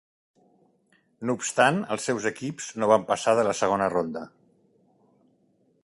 No obstant, els seus equips no van passar de la segona ronda.